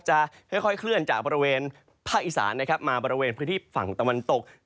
จะค่อยเคลื่อนจากบริเวณภาคอีสานนะครับมาบริเวณพื้นที่ฝั่งตะวันตก